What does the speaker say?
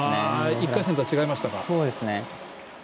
１回戦とは違いましたか？